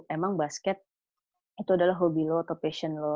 emang basket itu adalah hobi lu atau passion lu